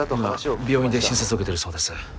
今病院で診察を受けてるそうです